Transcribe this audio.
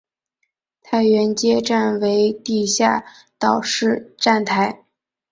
太原街站为地下岛式站台。